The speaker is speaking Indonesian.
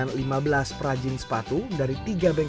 nggak boleh enak gitu ya